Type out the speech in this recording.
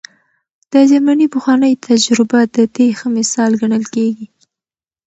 د جرمني پخوانۍ تجربه د دې ښه مثال ګڼل کېږي.